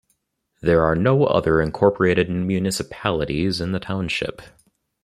There are no other incorporated municipalities in the township.